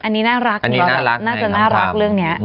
อันนี้น่ารักน่าจะน่ารักเรื่องนี้